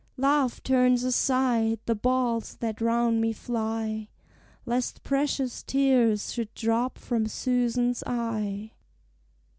Love turns aside the balls that round me fly, Lest precious tears should drop from Susan's eye."